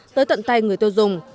tới tận tay người tiêu dùng